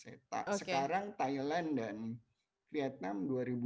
sekarang thailand dan vietnam dua ribu dua puluh